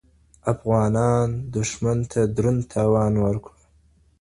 افغانان دښمن ته دروند تاوان ورکړ